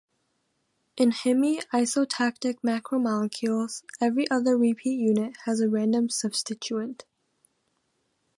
In hemi isotactic macromolecules every other repeat unit has a random substituent.